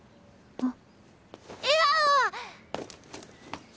あっ。